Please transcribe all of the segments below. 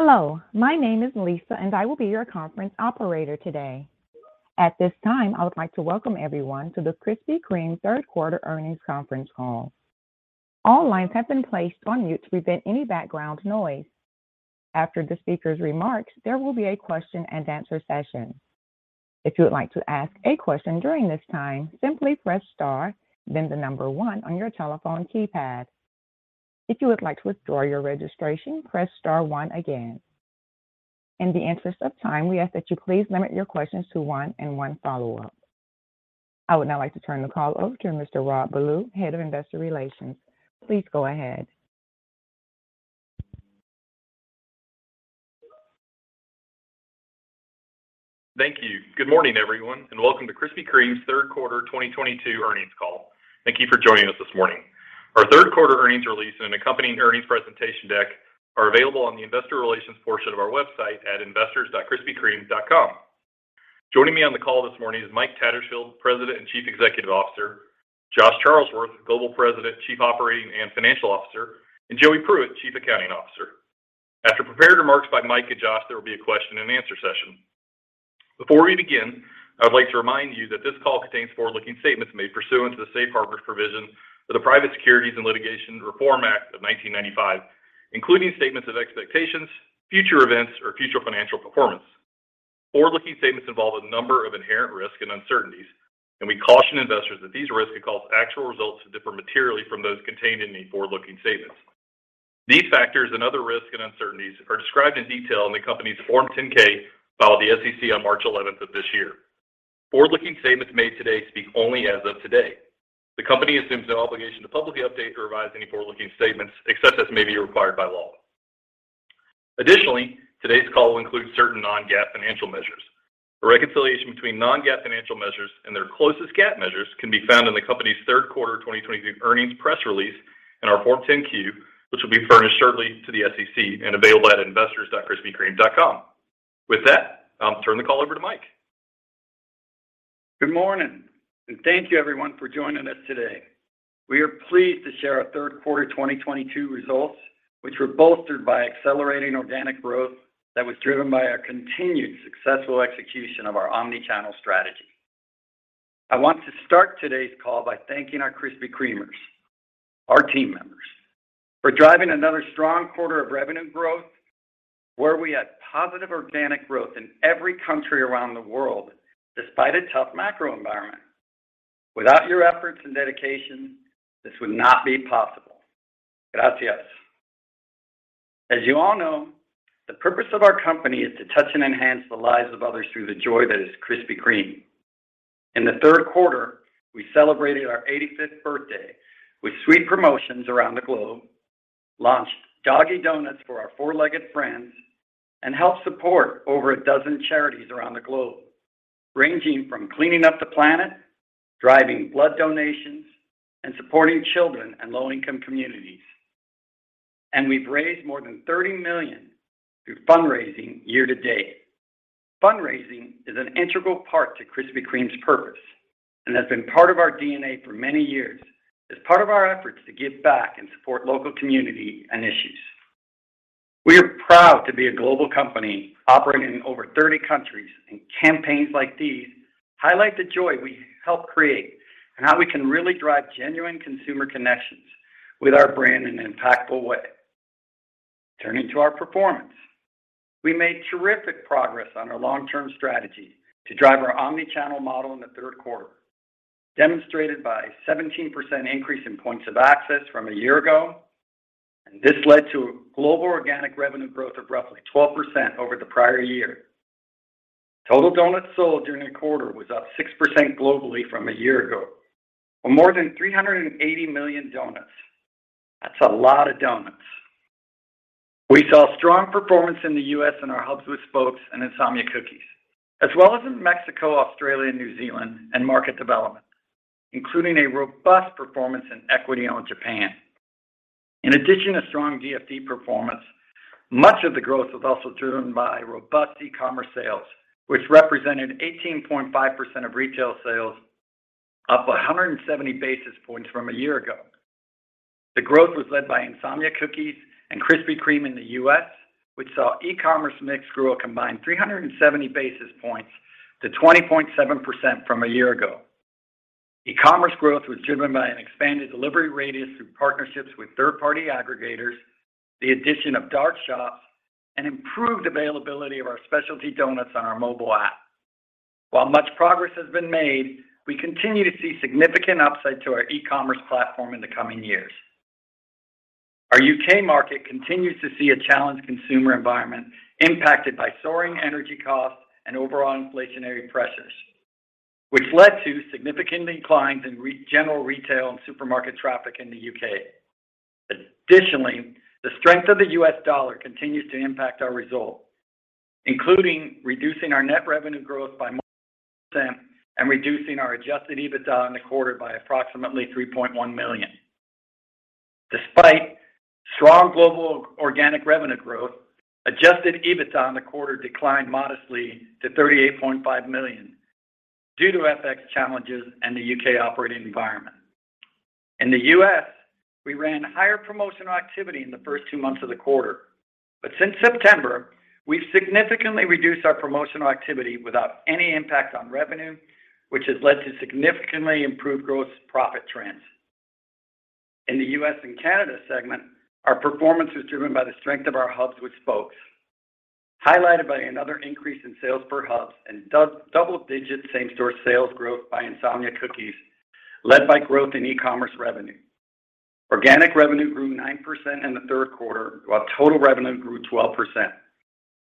Hello, my name is Lisa, and I will be your conference operator today. At this time, I would like to welcome everyone to the Krispy Kreme third quarter earnings conference call. All lines have been placed on mute to prevent any background noise. After the speaker's remarks, there will be a question-and-answer session. If you would like to ask a question during this time, simply press star, then the number one on your telephone keypad. If you would like to withdraw your registration, press star one again. In the interest of time, we ask that you please limit your questions to one and one follow-up. I would now like to turn the call over to Mr. Rob Ballew, Head of Investor Relations. Please go ahead. Thank you. Good morning, everyone, and welcome to Krispy Kreme's third quarter 2022 earnings call. Thank you for joining us this morning. Our third quarter earnings release and accompanying earnings presentation deck are available on the investor relations portion of our website at investorsdotkrispykreme.com. Joining me on the call this morning is Mike Tattersfield, President and Chief Executive Officer, Josh Charlesworth, Global President, Chief Operating and Financial Officer, and Joey Pruitt, Chief Accounting Officer. After prepared remarks by Mike and Josh, there will be a question-and-answer session. Before we begin, I would like to remind you that this call contains forward-looking statements made pursuant to the safe harbor provision of the Private Securities Litigation Reform Act of 1995, including statements of expectations, future events, or future financial performance. Forward-looking statements involve a number of inherent risks and uncertainties, and we caution investors that these risks may cause actual results to differ materially from those contained in the forward-looking statements. These factors and other risks and uncertainties are described in detail in the company's Form 10-K, filed with the SEC on March eleventh of this year. Forward-looking statements made today speak only as of today. The company assumes no obligation to publicly update or revise any forward-looking statements, except as may be required by law. Additionally, today's call will include certain non-GAAP financial measures. A reconciliation between non-GAAP financial measures and their closest GAAP measures can be found in the company's third quarter 2022 earnings press release and our Form 10-Q, which will be furnished shortly to the SEC and available at investors.krispykreme.com. With that, I'll turn the call over to Mike. Good morning, and thank you everyone for joining us today. We are pleased to share our third quarter 2022 results, which were bolstered by accelerating organic growth that was driven by our continued successful execution of our omni-channel strategy. I want to start today's call by thanking our Krispy Kremers, our team members, for driving another strong quarter of revenue growth where we had positive organic growth in every country around the world, despite a tough macro environment. Without your efforts and dedication, this would not be possible. Gracias. As you all know, the purpose of our company is to touch and enhance the lives of others through the joy that is Krispy Kreme. In the third quarter, we celebrated our 85th birthday with sweet promotions around the globe, launched Doggy Doughnuts for our four-legged friends, and helped support over a dozen charities around the globe, ranging from cleaning up the planet, driving blood donations, and supporting children in low-income communities. We've raised more than $30 million through fundraising year to date. Fundraising is an integral part to Krispy Kreme's purpose and has been part of our DNA for many years as part of our efforts to give back and support local community and issues. We are proud to be a global company operating in over 30 countries, and campaigns like these highlight the joy we help create and how we can really drive genuine consumer connections with our brand in an impactful way. Turning to our performance. We made terrific progress on our long-term strategy to drive our omni-channel model in the third quarter, demonstrated by a 17% increase in points of access from a year ago. This led to a global organic revenue growth of roughly 12% over the prior year. Total doughnuts sold during the quarter was up 6% globally from a year ago. For more than 380 million doughnuts, that's a lot of doughnuts. We saw strong performance in the U.S. and our hubs with spokes and Insomnia Cookies, as well as in Mexico, Australia, New Zealand, and market development, including a robust performance in equity-owned Japan. In addition to strong DFD performance, much of the growth was also driven by robust e-commerce sales, which represented 18.5% of retail sales, up 170 basis points from a year ago. The growth was led by Insomnia Cookies and Krispy Kreme in the U.S., which saw e-commerce mix grow a combined 370 basis points to 20.7% from a year ago. E-commerce growth was driven by an expanded delivery radius through partnerships with third-party aggregators, the addition of dark shops, and improved availability of our specialty donuts on our mobile app. While much progress has been made, we continue to see significant upside to our e-commerce platform in the coming years. Our U.K. market continues to see a challenged consumer environment impacted by soaring energy costs and overall inflationary pressures, which led to significant declines in general retail and supermarket traffic in the U.K. Additionally, the strength of the U.S. dollar continues to impact our result, including reducing our net revenue growth by more than 10% and reducing our adjusted EBITDA in the quarter by approximately $3.1 million. Despite strong global organic revenue growth, adjusted EBITDA in the quarter declined modestly to $38.5 million due to FX challenges and the U.K. operating environment. In the U.S., we ran higher promotional activity in the first two months of the quarter. Since September, we've significantly reduced our promotional activity without any impact on revenue, which has led to significantly improved gross profit trends. In the U.S. and Canada segment, our performance was driven by the strength of our hubs with spokes, highlighted by another increase in sales per hubs and double-digit same-store sales growth by Insomnia Cookies, led by growth in e-commerce revenue. Organic revenue grew 9% in the third quarter, while total revenue grew 12%.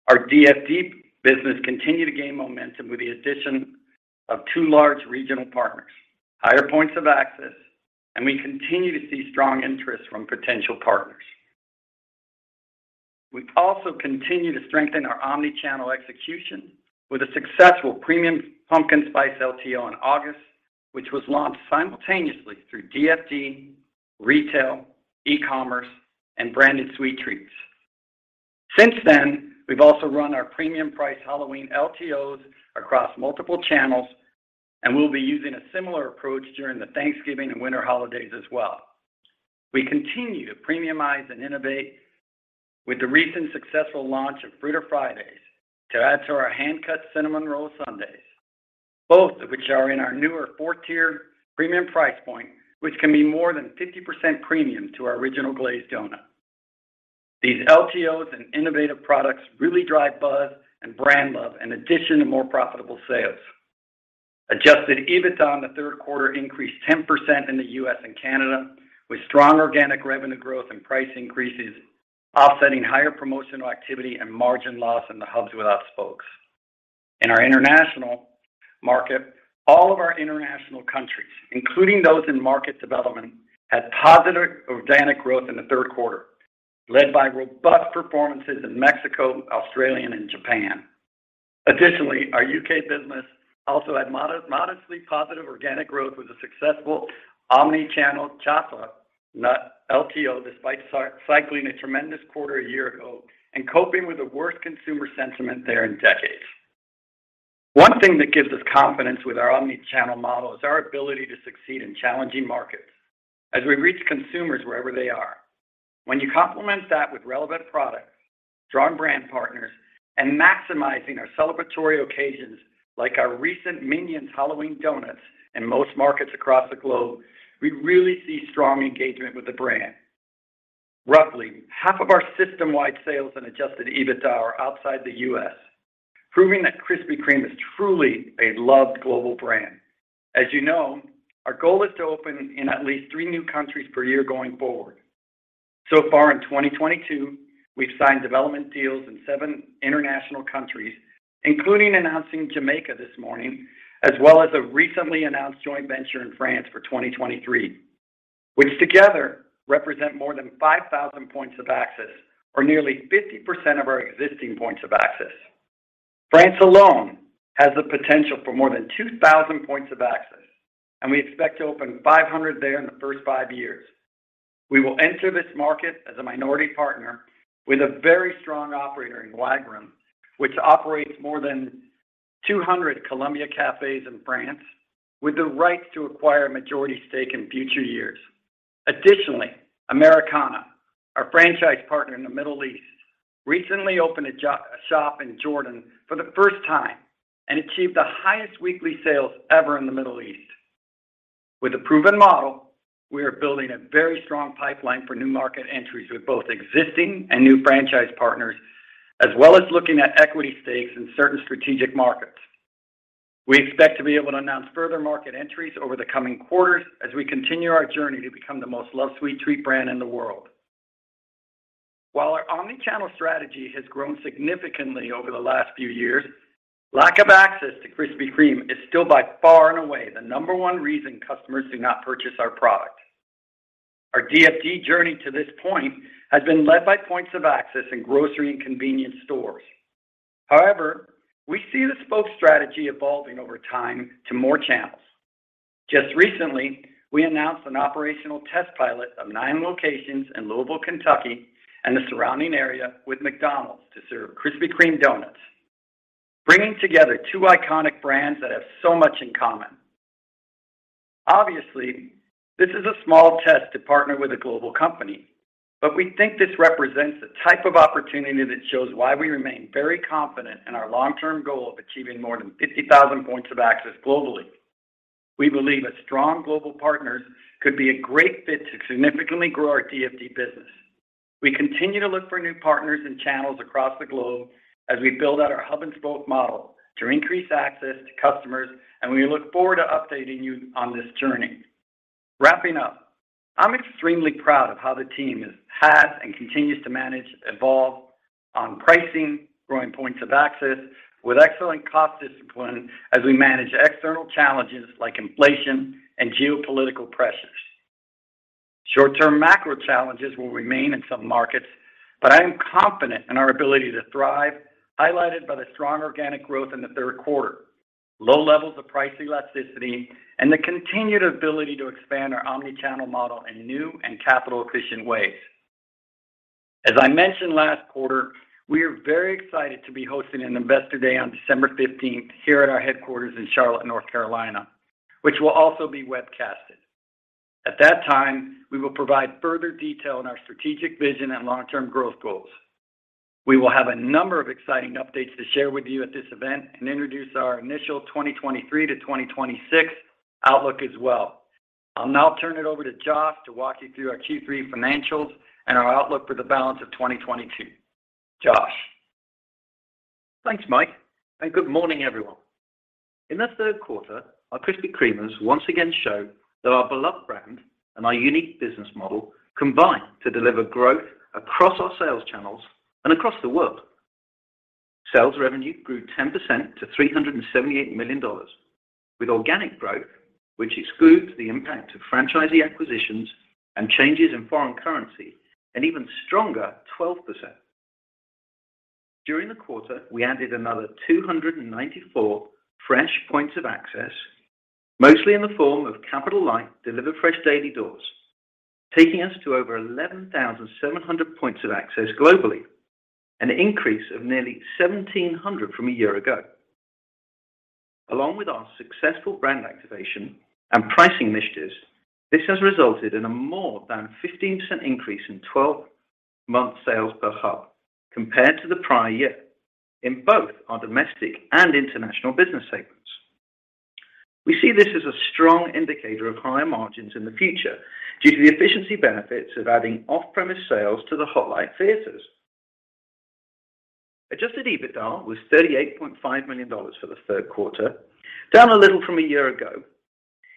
Our DFD business continued to gain momentum with the addition of two large regional partners, higher points of access, and we continue to see strong interest from potential partners. We also continue to strengthen our omni-channel execution with a successful premium Pumpkin Spice LTO in August, which was launched simultaneously through DFD, retail, e-commerce, and Branded Sweet Treats. Since then, we've also run our premium price Halloween LTOs across multiple channels, and we'll be using a similar approach during the Thanksgiving and winter holidays as well. We continue to premiumize and innovate with the recent successful launch of Fruity Fridays to add to our hand-cut Cinnamon Roll Sundaes, both of which are in our newer four-tier premium price point, which can be more than 50% premium to our Original Glazed Doughnut. These LTOs and innovative products really drive buzz and brand love in addition to more profitable sales. Adjusted EBITDA in the third quarter increased 10% in the US and Canada, with strong organic revenue growth and price increases, offsetting higher promotional activity and margin loss in the hubs with our spokes. In our international market, all of our international countries, including those in market development, had positive organic growth in the third quarter, led by robust performances in Mexico, Australia, and Japan. Additionally, our UK business also had modestly positive organic growth with a successful omni-channel chocolate nut LTO, despite cycling a tremendous quarter a year ago and coping with the worst consumer sentiment there in decades. One thing that gives us confidence with our omni-channel model is our ability to succeed in challenging markets as we reach consumers wherever they are. When you complement that with relevant products, strong brand partners, and maximizing our celebratory occasions, like our recent Minions Halloween doughnuts in most markets across the globe, we really see strong engagement with the brand. Roughly half of our system-wide sales and adjusted EBITDA are outside the U.S., proving that Krispy Kreme is truly a loved global brand. As you know, our goal is to open in at least three new countries per year going forward. So far in 2022, we've signed development deals in seven international countries, including announcing Jamaica this morning, as well as a recently announced joint venture in France for 2023, which together represent more than 5,000 points of access or nearly 50% of our existing points of access. France alone has the potential for more than 2,000 points of access, and we expect to open 500 there in the first five years. We will enter this market as a minority partner with a very strong operator in Wagram, which operates more than 200 Columbus Café & Co in France with the right to acquire a majority stake in future years. Additionally, Americana, our franchise partner in the Middle East, recently opened a shop in Jordan for the first time and achieved the highest weekly sales ever in the Middle East. With a proven model, we are building a very strong pipeline for new market entries with both existing and new franchise partners, as well as looking at equity stakes in certain strategic markets. We expect to be able to announce further market entries over the coming quarters as we continue our journey to become the most loved sweet treat brand in the world. While our omni-channel strategy has grown significantly over the last few years, lack of access to Krispy Kreme is still by far and away the number one reason customers do not purchase our product. Our DFD journey to this point has been led by points of access in grocery and convenience stores. However, we see the spoke strategy evolving over time to more channels. Just recently, we announced an operational test pilot of nine locations in Louisville, Kentucky, and the surrounding area with McDonald's to serve Krispy Kreme doughnuts, bringing together two iconic brands that have so much in common. Obviously, this is a small test to partner with a global company, but we think this represents the type of opportunity that shows why we remain very confident in our long-term goal of achieving more than 50,000 points of access globally. We believe that strong global partners could be a great fit to significantly grow our DFD business. We continue to look for new partners and channels across the globe as we build out our hub and spoke model to increase access to customers, and we look forward to updating you on this journey. Wrapping up, I'm extremely proud of how the team has and continues to manage, evolve on pricing, growing points of access with excellent cost discipline as we manage external challenges like inflation and geopolitical pressures. Short-term macro challenges will remain in some markets, but I am confident in our ability to thrive, highlighted by the strong organic growth in the third quarter, low levels of price elasticity, and the continued ability to expand our omni-channel model in new and capital-efficient ways. I mentioned last quarter, we are very excited to be hosting an Investor Day on December fifteenth here at our headquarters in Charlotte, North Carolina, which will also be webcasted. At that time, we will provide further detail on our strategic vision and long-term growth goals. We will have a number of exciting updates to share with you at this event and introduce our initial 2023-2026 outlook as well. I'll now turn it over to Josh to walk you through our Q3 financials and our outlook for the balance of 2022. Josh. Thanks, Mike, and good morning, everyone. In the third quarter, our Krispy Kremers once again show that our beloved brand and our unique business model combine to deliver growth across our sales channels and across the world. Sales revenue grew 10%-$378 million with organic growth, which excludes the impact of franchisee acquisitions and changes in foreign currency, an even stronger 12%. During the quarter, we added another 294 fresh points of access, mostly in the form of capital-light Delivered Fresh Daily doors, taking us to over 11,700 points of access globally, an increase of nearly 1,700 from a year ago. Along with our successful brand activation and pricing initiatives, this has resulted in a more than 15% increase in 12-month sales per hub compared to the prior year in both our domestic and international business segments. We see this as a strong indicator of higher margins in the future due to the efficiency benefits of adding off-premise sales to the hot light theaters. Adjusted EBITDA was $38.5 million for the third quarter, down a little from a year ago.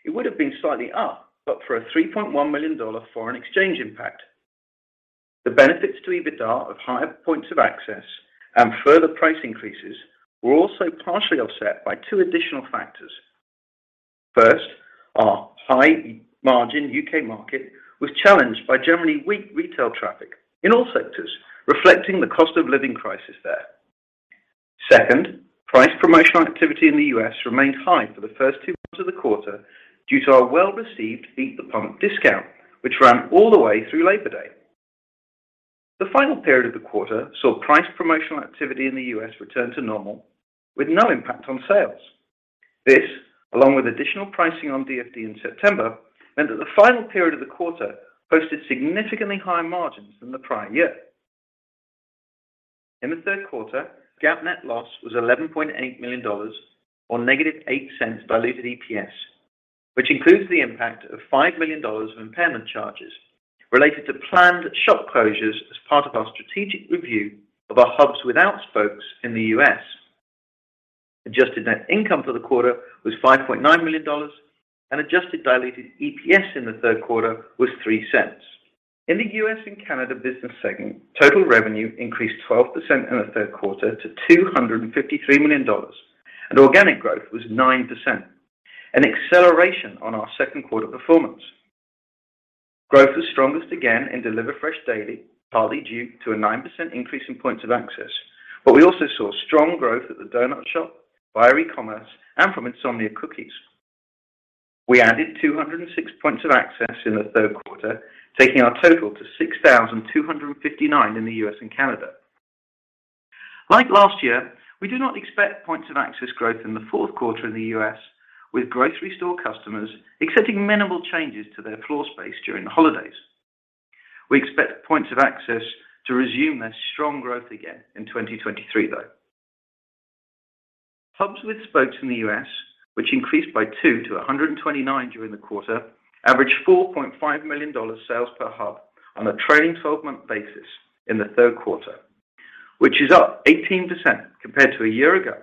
It would have been slightly up, but for a $3.1 million foreign exchange impact. The benefits to EBITDA of higher points of access and further price increases were also partially offset by two additional factors. First, our high margin U.K. market was challenged by generally weak retail traffic in all sectors, reflecting the cost of living crisis there. Second, price promotional activity in the U.S. remained high for the first two months of the quarter due to our well-received Beat the Pump discount, which ran all the way through Labor Day. The final period of the quarter saw price promotional activity in the U.S. return to normal with no impact on sales. This, along with additional pricing on DFD in September, meant that the final period of the quarter posted significantly higher margins than the prior year. In the third quarter, GAAP net loss was $11.8 million or -$0.08 diluted EPS, which includes the impact of $5 million of impairment charges related to planned shop closures as part of our strategic review of our hubs without spokes in the U.S. Adjusted net income for the quarter was $5.9 million and adjusted diluted EPS in the third quarter was $0.03. In the U.S. and Canada business segment, total revenue increased 12% in the third quarter to $253 million, and organic growth was 9%, an acceleration on our second quarter performance. Growth was strongest again in Delivered Fresh Daily, partly due to a 9% increase in points of access. We also saw strong growth at the donut shop, via e-commerce, and from Insomnia Cookies. We added 206 points of access in the third quarter, taking our total to 6,259 in the U.S. and Canada. Like last year, we do not expect points of access growth in the fourth quarter in the U.S., with grocery store customers accepting minimal changes to their floor space during the holidays. We expect points of access to resume their strong growth again in 2023, though. Hubs with spokes in the U.S., which increased by two to 129 during the quarter, averaged $4.5 million sales per hub on a trailing 12-month basis in the third quarter, which is up 18% compared to a year ago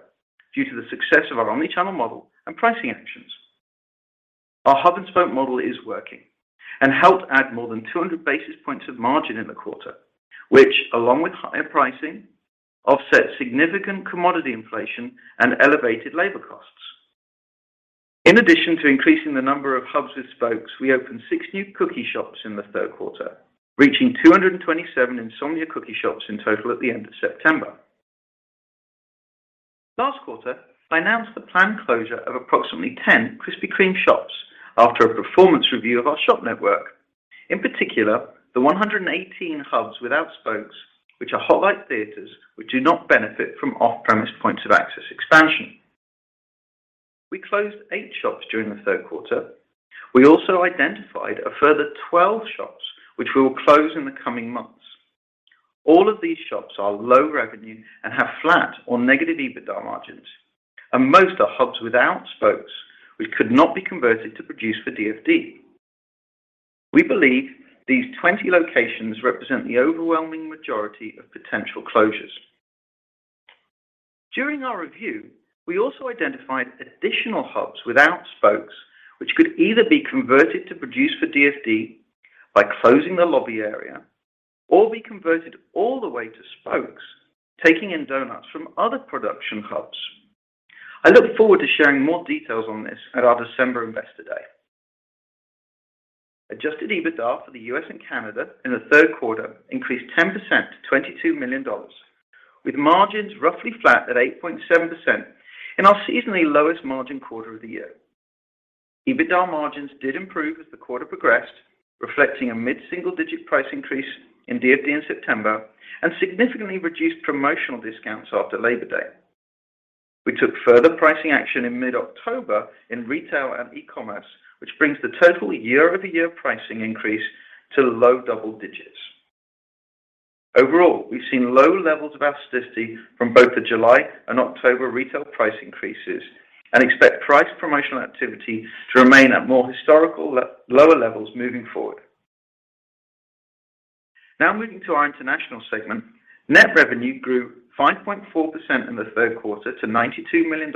due to the success of our omni-channel model and pricing actions. Our hub and spoke model is working and helped add more than 200 basis points of margin in the quarter, which along with higher pricing, offset significant commodity inflation and elevated labor costs. In addition to increasing the number of hubs with spokes, we opened 6 new cookie shops in the third quarter, reaching 227 Insomnia Cookies shops in total at the end of September. Last quarter, I announced the planned closure of approximately 10 Krispy Kreme shops after a performance review of our shop network. In particular, the 118 hubs without spokes, which are hot light theaters, which do not benefit from off-premise points of access expansion. We closed eight shops during the third quarter. We also identified a further 12 shops which we will close in the coming months. All of these shops are low revenue and have flat or negative EBITDA margins, and most are hubs without spokes which could not be converted to produce for DFD. We believe these 20 locations represent the overwhelming majority of potential closures. During our review, we also identified additional hubs without spokes, which could either be converted to produce for DFD by closing the lobby area or be converted all the way to spokes, taking in doughnuts from other production hubs. I look forward to sharing more details on this at our December Investor Day. Adjusted EBITDA for the US and Canada in the third quarter increased 10%-$22 million, with margins roughly flat at 8.7% in our seasonally lowest margin quarter of the year. EBITDA margins did improve as the quarter progressed, reflecting a mid-single-digit price increase in DFD in September and significantly reduced promotional discounts after Labor Day. We took further pricing action in mid-October in retail and e-commerce, which brings the total year-over-year pricing increase to low double digits. Overall, we've seen low levels of elasticity from both the July and October retail price increases and expect price promotional activity to remain at more historically lower levels moving forward. Now moving to our international segment. Net revenue grew 5.4% in the third quarter to $92 million,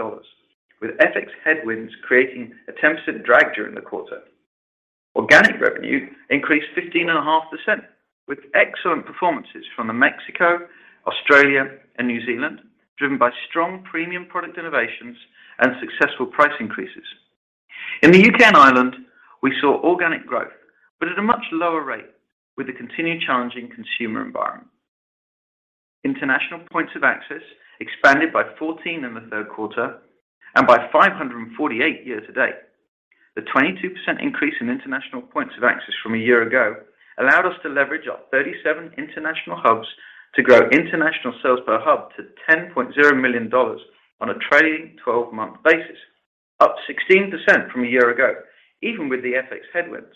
with FX headwinds creating a 10% drag during the quarter. Organic revenue increased 15.5% with excellent performances from Mexico, Australia, and New Zealand, driven by strong premium product innovations and successful price increases. In the U.K. and Ireland, we saw organic growth, but at a much lower rate with the continued challenging consumer environment. International points of access expanded by 14 in the third quarter and by 548 year to date. The 22% increase in international points of access from a year ago allowed us to leverage our 37 international hubs to grow international sales per hub to $10.0 million on a trailing 12-month basis, up 16% from a year ago, even with the FX headwinds.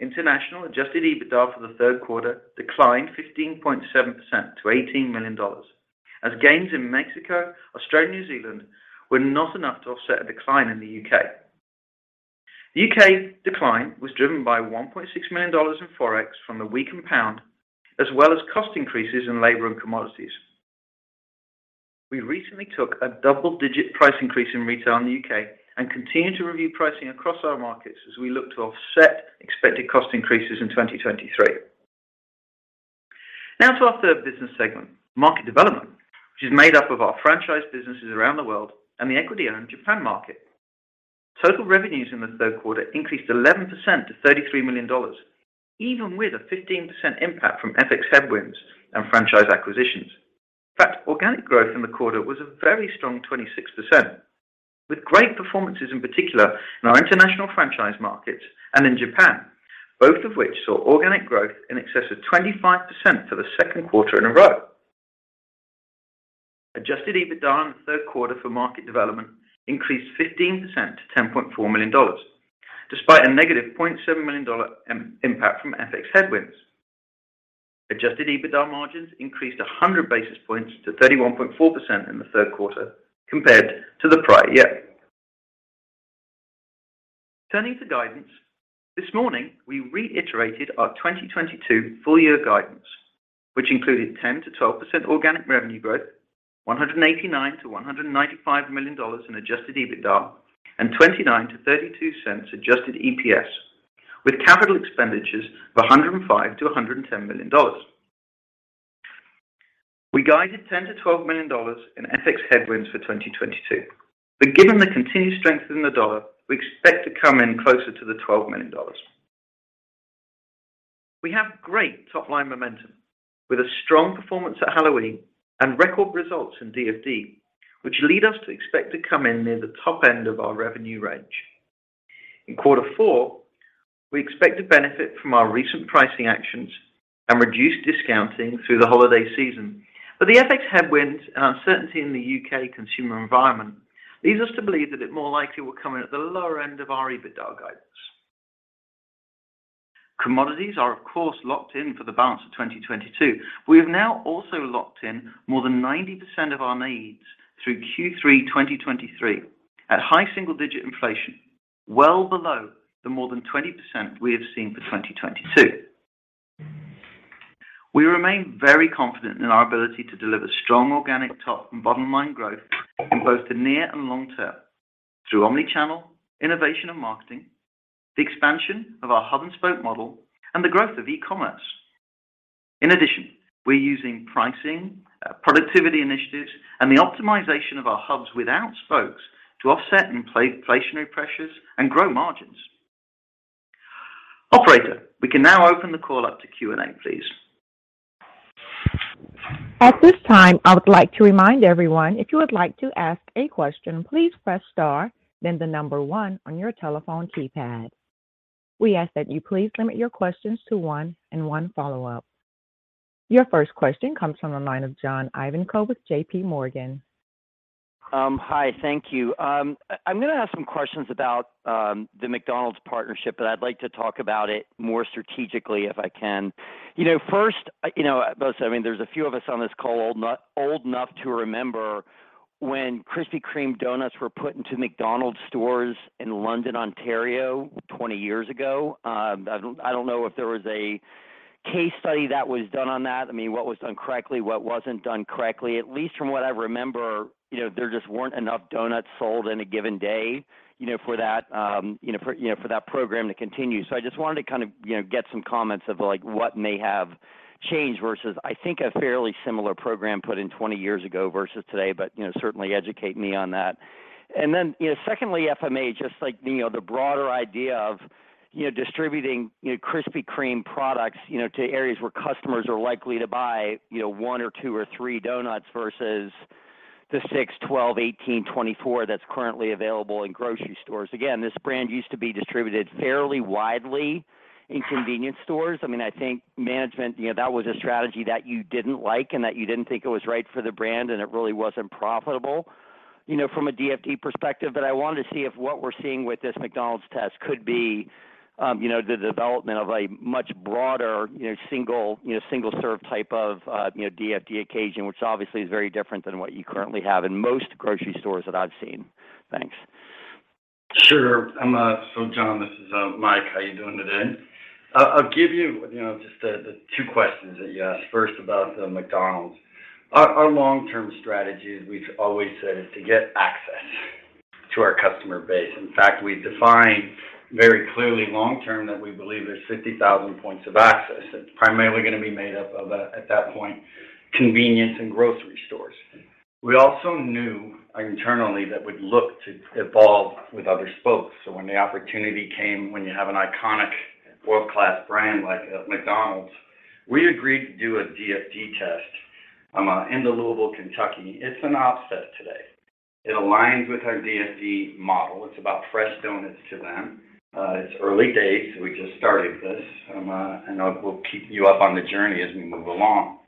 International adjusted EBITDA for the third quarter declined 15.7%-$18 million as gains in Mexico, Australia, New Zealand were not enough to offset a decline in the U.K. U.K. decline was driven by $1.6 million in FX from the weakened pound, as well as cost increases in labor and commodities. We recently took a double-digit price increase in retail in the U.K. and continue to review pricing across our markets as we look to offset expected cost increases in 2023. Now to our third business segment, market development, which is made up of our franchise businesses around the world and the equity-owned Japan market. Total revenues in the third quarter increased 11%-$33 million, even with a 15% impact from FX headwinds and franchise acquisitions. In fact, organic growth in the quarter was a very strong 26%, with great performances, in particular, in our international franchise markets and in Japan, both of which saw organic growth in excess of 25% for the second quarter in a row. Adjusted EBITDA in the third quarter for market development increased 15%-$10.4 million, despite a -$0.7 million impact from FX headwinds. Adjusted EBITDA margins increased 100 basis points to 31.4% in the third quarter compared to the prior year. Turning to guidance, this morning, we reiterated our 2022 full year guidance, which included 10%-12% organic revenue growth, $189 million-$195 million in adjusted EBITDA and 29-32 cents adjusted EPS with capital expenditures of $105 million-$110 million. We guided $10 million-$12 million in FX headwinds for 2022, but given the continued strength in the dollar, we expect to come in closer to the $12 million. We have great top-line momentum with a strong performance at Halloween and record results in DFD, which lead us to expect to come in near the top end of our revenue range. In quarter four, we expect to benefit from our recent pricing actions and reduce discounting through the holiday season. The FX headwinds and uncertainty in the U.K. consumer environment leads us to believe that it more likely will come in at the lower end of our EBITDA guidance. Commodities are, of course, locked in for the balance of 2022. We have now also locked in more than 90% of our needs through Q3 2023 at high single-digit inflation, well below the more than 20% we have seen for 2022. We remain very confident in our ability to deliver strong organic top and bottom line growth in both the near and long term through omni-channel innovation and marketing, the expansion of our hub and spoke model, and the growth of e-commerce. In addition, we're using pricing, productivity initiatives, and the optimization of our hubs without spokes to offset inflationary pressures and grow margins. Operator, we can now open the call up to Q&A, please. At this time, I would like to remind everyone if you would like to ask a question, please press star, then the number one on your telephone keypad. We ask that you please limit your questions to one and one follow-up. Your first question comes from the line of John Ivankoe with JPMorgan. Hi, thank you. I'm gonna ask some questions about the McDonald's partnership, but I'd like to talk about it more strategically if I can. You know, first, you know, I mean, there's a few of us on this call old enough to remember when Krispy Kreme doughnuts were put into McDonald's stores in London, Ontario, 20 years ago. I don't know if there was a case study that was done on that. I mean, what was done correctly, what wasn't done correctly. At least from what I remember, you know, there just weren't enough doughnuts sold in a given day, you know, for that program to continue. I just wanted to kind of, you know, get some comments of like what may have changed versus, I think, a fairly similar program put in 20 years ago versus today, but, you know, certainly educate me on that. You know, secondly, if I may, just like, you know, the broader idea of, you know, distributing, you know, Krispy Kreme products, you know, to areas where customers are likely to buy, you know, one or two or three donuts versus the six, 12, 18, 24 that's currently available in grocery stores. Again, this brand used to be distributed fairly widely in convenience stores. I mean, I think management, you know, that was a strategy that you didn't like and that you didn't think it was right for the brand, and it really wasn't profitable, you know, from a DFD perspective. I wanted to see if what we're seeing with this McDonald's test could be, you know, the development of a much broader, you know, single, you know, single-serve type of, you know, DFD occasion, which obviously is very different than what you currently have in most grocery stores that I've seen. Thanks. Sure. John, this is Mike. How you doing today? I'll give you know, just the two questions that you asked first about the McDonald's. Our long-term strategy, as we've always said, is to get access to our customer base. In fact, we've defined very clearly long term that we believe there's 60,000 points of access. That's primarily gonna be made up of, at that point, convenience and grocery stores. We also knew internally that we'd look to evolve with other spokes. When the opportunity came, when you have an iconic world-class brand like McDonald's, we agreed to do a DFD test in the Louisville, Kentucky. It's an offset today. It aligns with our DFD model. It's about fresh donuts to them. It's early days. We just started this, and we'll keep you up on the journey as we move along.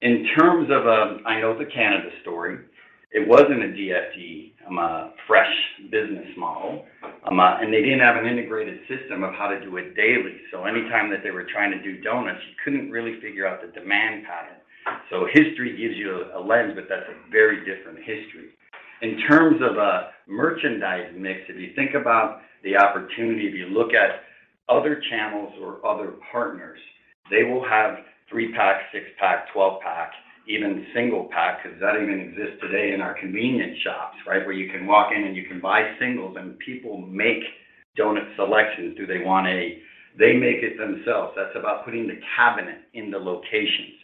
In terms of, I know the Canada story. It wasn't a DFD fresh business model, and they didn't have an integrated system of how to do it daily. Any time that they were trying to do doughnuts, you couldn't really figure out the demand pattern. History gives you a lens, but that's a very different history. In terms of a merchandise mix, if you think about the opportunity, if you look at other channels or other partners, they will have three-pack, six-pack, 12-pack, even single pack, because that even exists today in our convenience shops, right? Where you can walk in and you can buy singles and people make doughnut selections. They make it themselves. That's about putting the cabinet in the locations.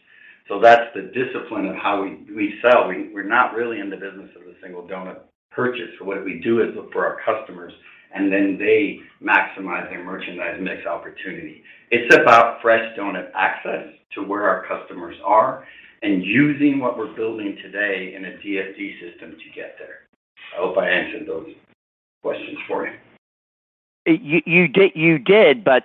That's the discipline of how we sell. We're not really in the business of the single doughnut purchase. What we do is look for our customers, and then they maximize their merchandise mix opportunity. It's about fresh doughnut access to where our customers are and using what we're building today in a DFD system to get there. I hope I answered those questions for you. You did. Again, I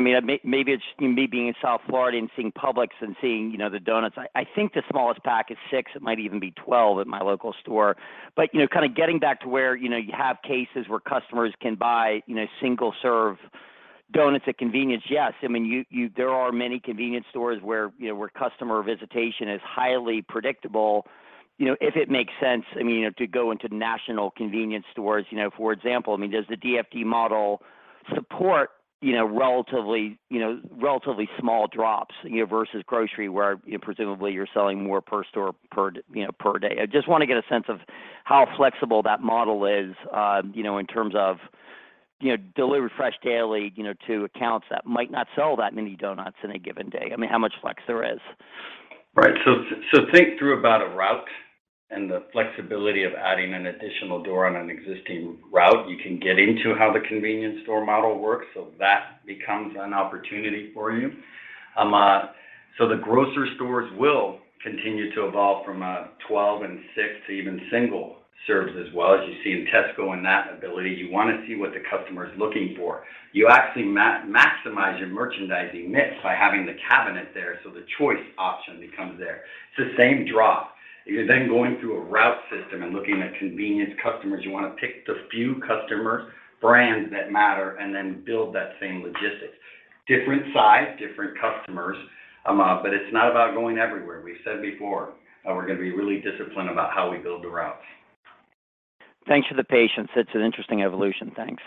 mean, maybe it's me being in South Florida and seeing Publix and seeing, you know, the donuts. I think the smallest pack is six. It might even be 12 at my local store. You know, kind of getting back to where, you know, you have cases where customers can buy, you know, single-serve donuts at convenience. Yes. I mean, there are many convenience stores where, you know, where customer visitation is highly predictable. You know, if it makes sense, I mean, you know, to go into national convenience stores, you know, for example, I mean, does the DFD model support, you know, relatively, you know, relatively small drops, you know, versus grocery, where, you know, presumably you're selling more per store per day? I just wanna get a sense of how flexible that model is, you know, in terms of, you know, deliver fresh daily, you know, to accounts that might not sell that many doughnuts in a given day. I mean, how much flex there is. Right. Think through about a route and the flexibility of adding an additional door on an existing route. You can get into how the convenience store model works, so that becomes an opportunity for you. The grocery stores will continue to evolve from 12 and six to even single serves as well, as you see in Tesco and that ability. You wanna see what the customer is looking for. You actually maximize your merchandising mix by having the cabinet there, so the choice option becomes there. It's the same drop. You're then going through a route system and looking at convenience customers. You wanna pick the few customer brands that matter and then build that same logistics. Different size, different customers, but it's not about going everywhere. We've said before, we're gonna be really disciplined about how we build the routes. Thanks for the patience. It's an interesting evolution. Thanks.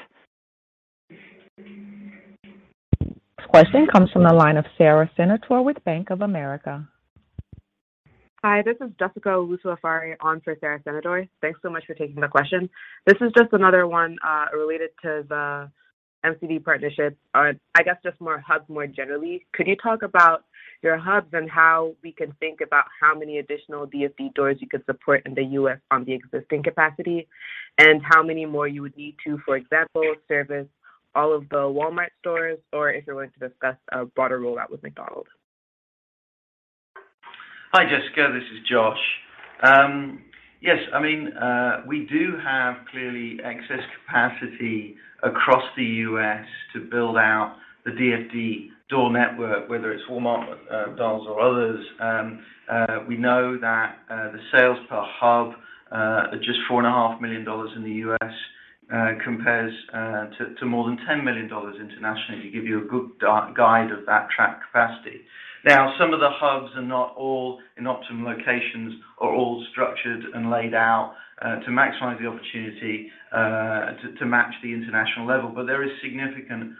Question comes from the line of Sara Senatore with Bank of America. Hi, this is Jessica Owusu-Afari on for Sara Senatore. Thanks so much for taking the question. This is just another one related to the McDonald's partnerships or I guess just more hubs more generally. Could you talk about your hubs and how we can think about how many additional DFD doors you could support in the U.S. on the existing capacity, and how many more you would need to, for example, service all of the Walmart stores or if you're willing to discuss a broader rollout with McDonald's? Hi, Jessica. This is Josh. Yes. I mean, we do have clearly excess capacity across the U.S. to build out the DFD store network, whether it's Walmart, McDonald's or others. We know that the sales per hub at just $4.5 million in the U.S. compares to more than $10 million internationally to give you a good guide of that capacity. Now, some of the hubs are not all in optimum locations or all structured and laid out to maximize the opportunity to match the international level. But there is significant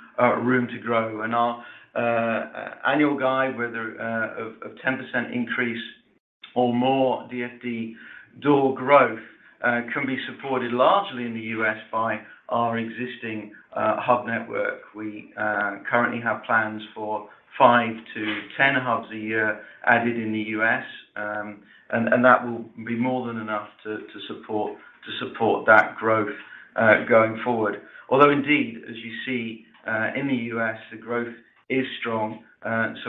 room to grow. Our annual guide, whether of 10% increase More DFD door growth can be supported largely in the U.S. by our existing hub network. We currently have plans for five-10 hubs a year added in the U.S. That will be more than enough to support that growth going forward. Although indeed, as you see, in the U.S., the growth is strong.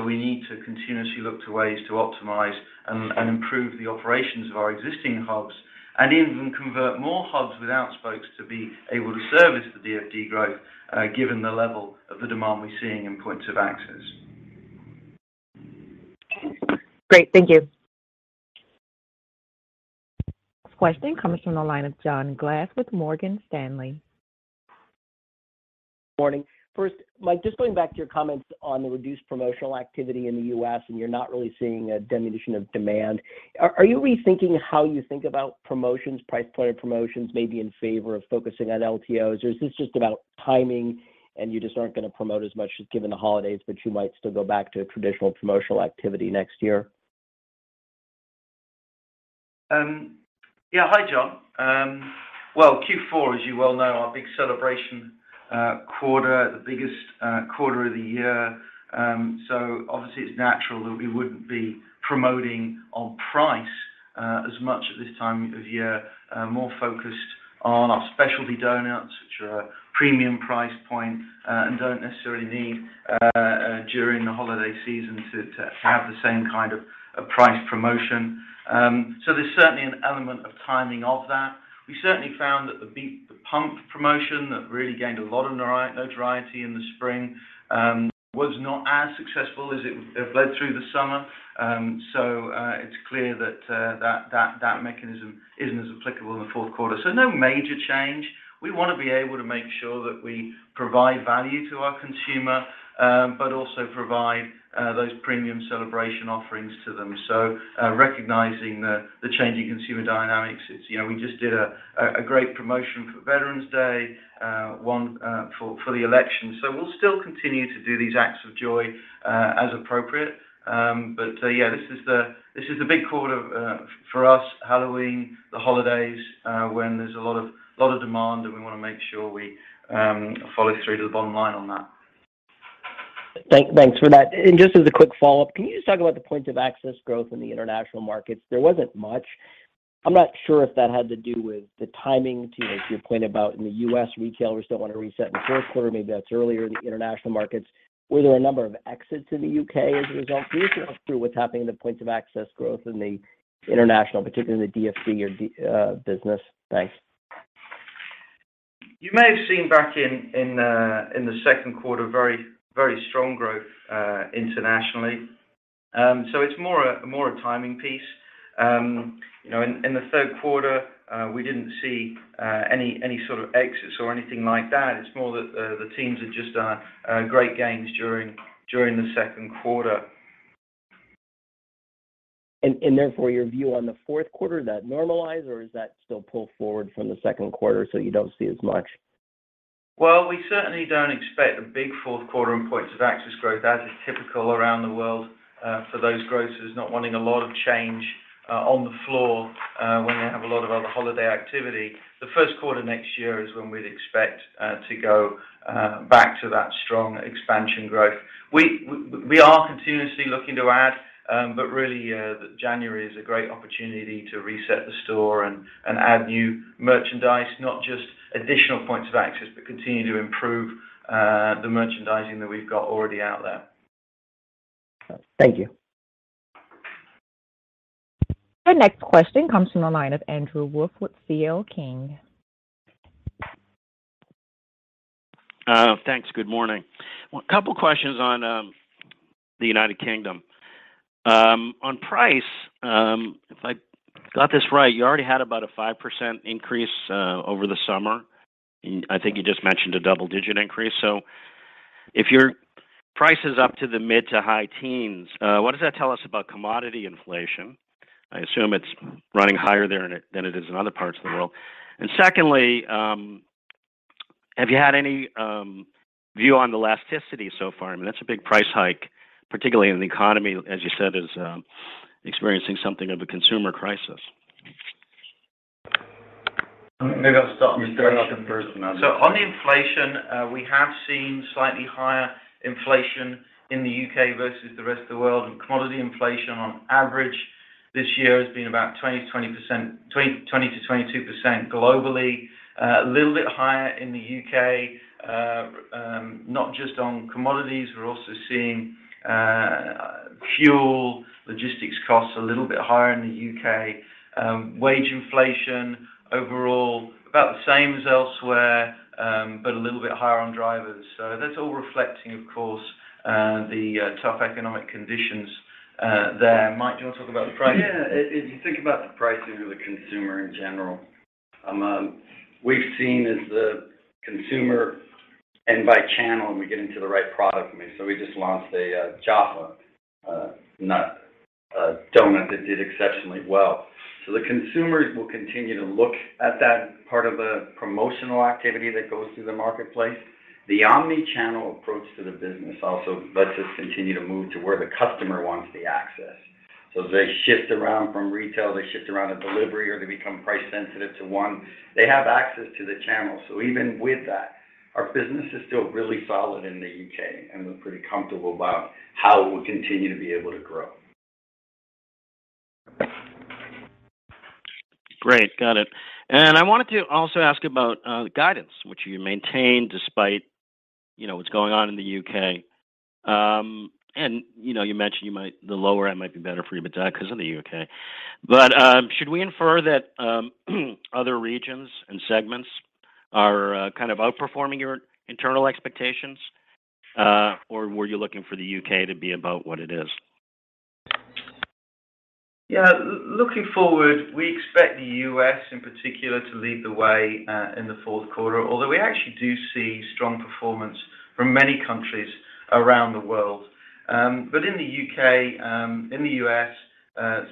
We need to continuously look to ways to optimize and improve the operations of our existing hubs and even convert more hubs without spokes to be able to service the DFD growth given the level of the demand we're seeing in points of access. Great. Thank you. Question comes from the line of John Glass with Morgan Stanley. Morning. First, Mike, just going back to your comments on the reduced promotional activity in the U.S., and you're not really seeing a diminution of demand. Are you rethinking how you think about promotions, price point promotions maybe in favor of focusing on LTOs? Or is this just about timing, and you just aren't gonna promote as much just given the holidays, but you might still go back to a traditional promotional activity next year? Yeah. Hi, John. Well, Q4, as you well know, our big celebration quarter, the biggest quarter of the year. Obviously it's natural that we wouldn't be promoting on price as much at this time of year. More focused on our specialty doughnuts, which are a premium price point and don't necessarily need during the holiday season to have the same kind of price promotion. There's certainly an element of timing of that. We certainly found that the Beat the Pump promotion that really gained a lot of notoriety in the spring was not as successful as it had led through the summer. It's clear that that mechanism isn't as applicable in the fourth quarter. No major change. We wanna be able to make sure that we provide value to our consumer, but also provide those premium celebration offerings to them. Recognizing the changing consumer dynamics, you know, we just did a great promotion for Veterans Day, one for the election. We'll still continue to do these acts of joy as appropriate. Yeah, this is the big quarter for us, Halloween, the holidays, when there's a lot of demand, and we wanna make sure we follow through to the bottom line on that. Thanks for that. Just as a quick follow-up, can you just talk about the points of access growth in the international markets? There wasn't much. I'm not sure if that had to do with the timing to your point about in the U.S., retailers don't want to reset in the fourth quarter. Maybe that's earlier in the international markets. Were there a number of exits in the U.K. as a result? Can you talk us through what's happening in the points of access growth in the international, particularly in the DFD business? Thanks. You may have seen back in the second quarter very, very strong growth internationally. It's more a timing piece. You know, in the third quarter, we didn't see any sort of exits or anything like that. It's more that the teams had just great gains during the second quarter. Therefore, your view on the fourth quarter, does that normalize, or is that still pulled forward from the second quarter, so you don't see as much? Well, we certainly don't expect a big fourth quarter in points of access growth. That is typical around the world for those grocers not wanting a lot of change on the floor when they have a lot of other holiday activity. The first quarter next year is when we'd expect to go back to that strong expansion growth. We are continuously looking to add, but really, January is a great opportunity to reset the store and add new merchandise, not just additional points of access, but continue to improve the merchandising that we've got already out there. Thank you. Our next question comes from the line of Andrew Wolf with C.L. King. Thanks. Good morning. A couple questions on the United Kingdom. On price, if I got this right, you already had about a 5% increase over the summer. I think you just mentioned a double-digit increase. If your price is up to the mid- to high teens, what does that tell us about commodity inflation? I assume it's running higher there than it is in other parts of the world. Secondly, have you had any view on the elasticity so far? I mean, that's a big price hike, particularly in the economy, as you said, is experiencing something of a consumer crisis. Maybe I'll start on the inflation piece. You start on the first and I'll do second. On the inflation, we have seen slightly higher inflation in the U.K. versus the rest of the world, and commodity inflation on average this year has been about 20%-22% globally. A little bit higher in the U.K., not just on commodities. We're also seeing fuel logistics costs a little bit higher in the U.K. Wage inflation overall about the same as elsewhere, but a little bit higher on drivers. That's all reflecting, of course, the tough economic conditions there. Mike, do you wanna talk about the pricing? If you think about the pricing to the consumer in general, we've seen as the consumer and by channel, and we get into the right product mix. We just launched a Jaffanut doughnut that did exceptionally well. The consumers will continue to look at that part of the promotional activity that goes through the marketplace. The omni-channel approach to the business also lets us continue to move to where the customer wants the access. As they shift around from retail, they shift around to delivery or they become price sensitive to one, they have access to the channel. Even with that, our business is still really solid in the U.K., and we're pretty comfortable about how we'll continue to be able to grow. Great. Got it. I wanted to also ask about the guidance which you maintain despite, you know, what's going on in the U.K. You know, you mentioned the lower end might be better for you, but that's 'cause of the U.K. Should we infer that other regions and segments are kind of outperforming your internal expectations, or were you looking for the U.K. to be about what it is? Looking forward, we expect the U.S. in particular to lead the way in the fourth quarter, although we actually do see strong performance from many countries around the world. In the U.K., in the U.S.,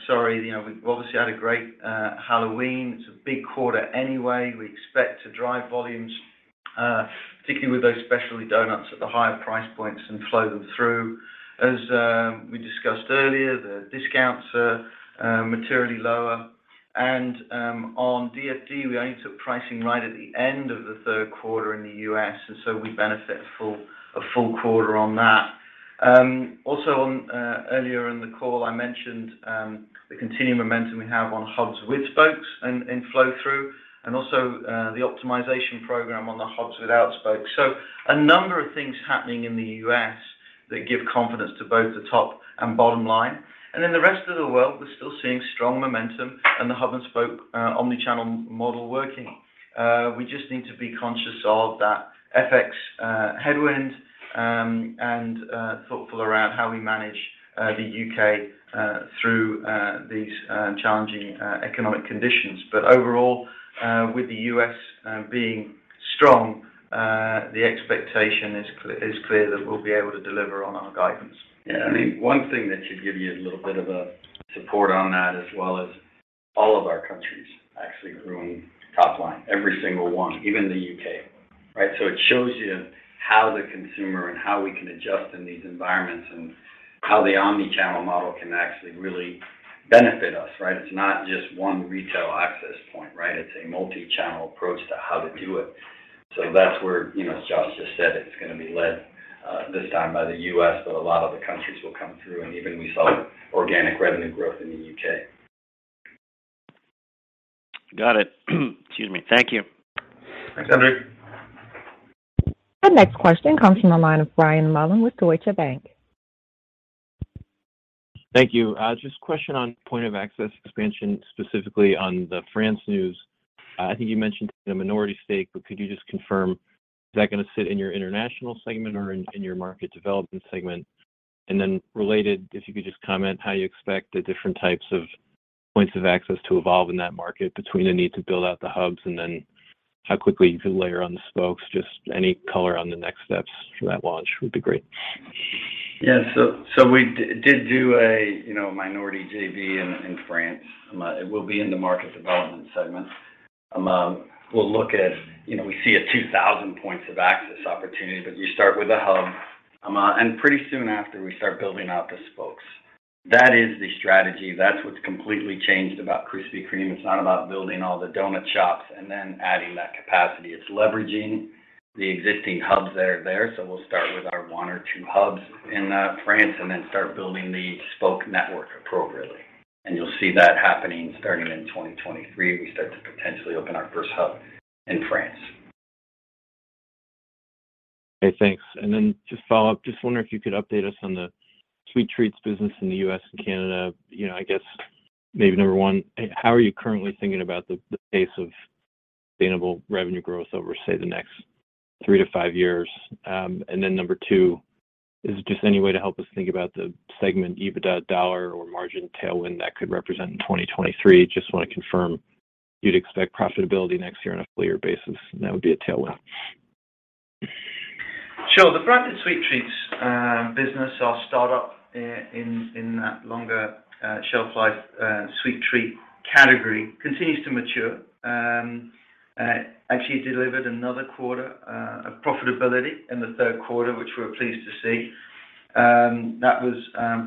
sorry, you know, we've obviously had a great Halloween. It's a big quarter anyway. We expect to drive volumes, particularly with those specialty doughnuts at the higher price points and flow them through. As we discussed earlier, the discounts are materially lower. On DFD, we only took pricing right at the end of the third quarter in the U.S., and so we benefit a full quarter on that. Also, earlier in the call, I mentioned the continuing momentum we have on hubs with spokes and flow-through, and also the optimization program on the hubs without spokes. A number of things happening in the U.S. that give confidence to both the top and bottom line. In the rest of the world, we're still seeing strong momentum and the hub and spoke omni-channel model working. We just need to be conscious of that FX headwind and thoughtful around how we manage the U.K. through these challenging economic conditions. Overall, with the U.S. being strong, the expectation is clear that we'll be able to deliver on our guidance. Yeah. I think one thing that should give you a little bit of a support on that as well is all of our countries actually growing top line, every single one, even the U.K., right? It shows you how the consumer and how we can adjust in these environments and how the omnichannel model can actually really benefit us, right? It's not just one retail access point, right? It's a multi-channel approach to how to do it. That's where, you know, as Josh just said, it's gonna be led this time by the U.S., but a lot of the countries will come through, and even we saw organic revenue growth in the U.K. Got it. Excuse me. Thank you. Thanks, Andrew. The next question comes from the line of Brian Mullan with Deutsche Bank. Thank you. Just a question on point of access expansion, specifically on the France news. I think you mentioned a minority stake, but could you just confirm, is that gonna sit in your international segment or in your market development segment? Related, if you could just comment how you expect the different types of points of access to evolve in that market between the need to build out the hubs and then how quickly you can layer on the spokes. Just any color on the next steps for that launch would be great. Yeah. We did do a, you know, minority JV in France. It will be in the market development segment. We'll look at. You know, we see a 2,000 points of access opportunity, but you start with a hub, and pretty soon after we start building out the spokes. That is the strategy. That's what's completely changed about Krispy Kreme. It's not about building all the donut shops and then adding that capacity. It's leveraging the existing hubs that are there. We'll start with our one or two hubs in France and then start building the spoke network appropriately. You'll see that happening starting in 2023. We start to potentially open our first hub in France. Okay, thanks. Just follow up, just wonder if you could update us on the Sweet Treats business in the U.S. and Canada. You know, I guess maybe number one, how are you currently thinking about the pace of sustainable revenue growth over, say, the next three to five years? And then number two is just any way to help us think about the segment EBITDA dollar or margin tailwind that could represent in 2023. Just wanna confirm you'd expect profitability next year on a full year basis, and that would be a tailwind. Sure. The Branded Sweet Treats business, our startup in that longer shelf life sweet treat category continues to mature. Actually delivered another quarter of profitability in the third quarter, which we're pleased to see. That was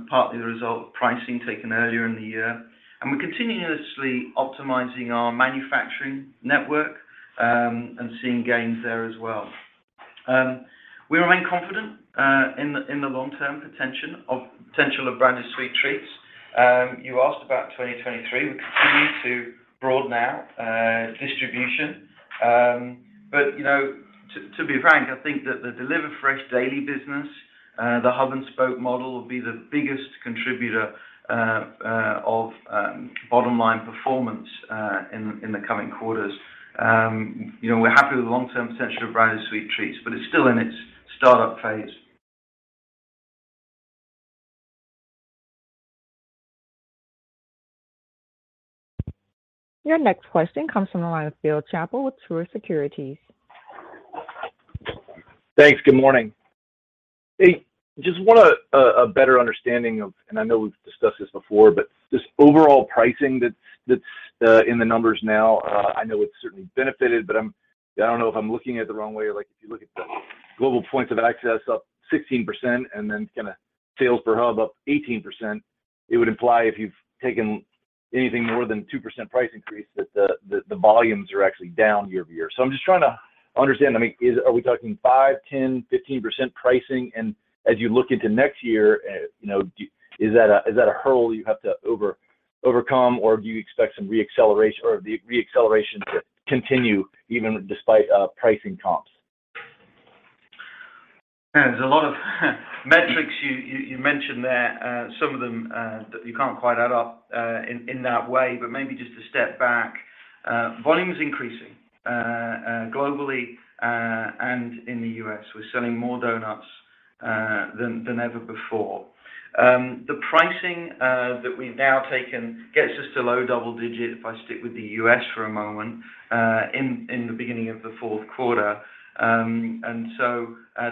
partly the result of pricing taken earlier in the year. We're continuously optimizing our manufacturing network and seeing gains there as well. We remain confident in the long-term potential of Branded Sweet Treats. You asked about 2023. We continue to broaden out distribution. Actually, you know, to be frank, I think that the Delivered Fresh Daily business, the hub and spoke model will be the biggest contributor of bottom line performance in the coming quarters. you know, we're happy with the long-term potential of Branded Sweet Treats, but it's still in its startup phase. Your next question comes from the line of Bill Chappell with Truist Securities. Thanks. Good morning. Hey, just want a better understanding of, and I know we've discussed this before, but just overall pricing that's in the numbers now. I know it's certainly benefited, but I don't know if I'm looking at it the wrong way. Like, if you look at the global points of access up 16% and then kinda sales per hub up 18%, it would imply if you've taken anything more than 2% price increase, that the volumes are actually down year-over-year. I'm just trying to understand. I mean, are we talking 5%, 10%, 15% pricing? And as you look into next year, you know, is that a hurdle you have to overcome, or do you expect some reacceleration or the reacceleration to continue even despite pricing comps? Yeah. There's a lot of metrics you mentioned there, some of them that you can't quite add up in that way, but maybe just to step back. Volume is increasing globally and in the U.S. We're selling more donuts than ever before. The pricing that we've now taken gets us to low double digit if I stick with the U.S. for a moment in the beginning of the fourth quarter.